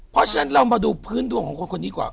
เพราะฉะนั้นเรามาดูพื้นดวงของคนคนนี้ก่อน